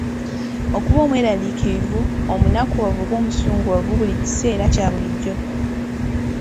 Okuba omweraliikirivu, omunakuwavu oba omusunguwavu buli kiseera kya bulijjo.